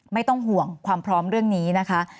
ไม่ต้องห่วงความพร้อมเรื่องนี้นะคะ